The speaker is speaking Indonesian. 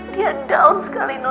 dia down sekali nino